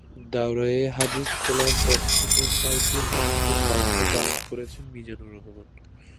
দাওরায়ে হাদিস খোলার পর থেকে শায়খুল হাদিসের দায়িত্ব পালন করেছেন মিজানুর রহমান।